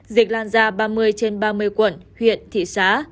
dịch lan ra ba mươi trên ba mươi quận huyện thị xã